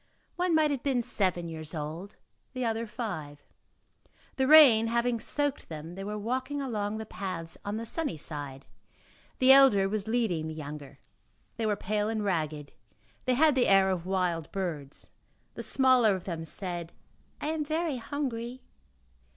One might have been seven years old, the other five. The rain having soaked them, they were walking along the paths on the sunny side; the elder was leading the younger; they were pale and ragged; they had the air of wild birds. The smaller of them said: "I am very hungry."